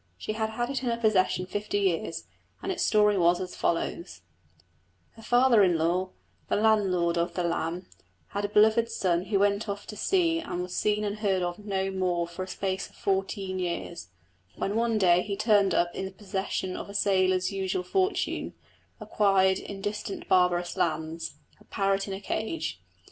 She had had it in her possession fifty years, and its story was as follows: Her father in law, the landlord of the Lamb, had a beloved son who went off to sea and was seen and heard of no more for a space of fourteen years, when one day he turned up in the possession of a sailor's usual fortune, acquired in distant barbarous lands a parrot in a cage!